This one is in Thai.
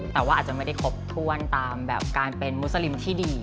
แต่ว่าอาจจะไม่ได้ครบถ้วนตามแบบการเป็นมุสลิมที่ดี